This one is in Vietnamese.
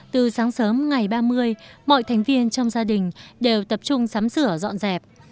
từ sáng sớm ngày ba mươi mọi thành viên trong gia đình đều tập trung sắm sửa dọn dẹp